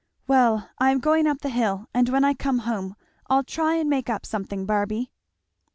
Well, I am going up the hill, and when I come home I'll try and make up something, Barby."